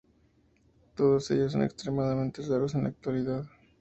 Todos ellos son extremadamente raros en la actualidad.